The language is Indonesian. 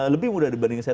lebih muda dibanding saya